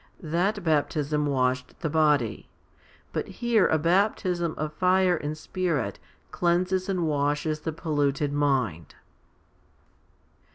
That baptism washed the body ; but here a baptism of fire and Spirit cleanses and washes the polluted mind.